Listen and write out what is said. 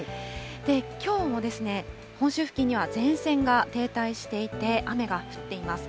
きょうも本州付近には前線が停滞していて、雨が降っています。